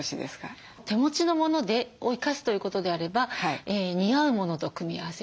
手持ちのものを生かすということであれば似合うものと組み合わせる。